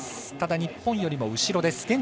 ただ、日本よりも後ろです。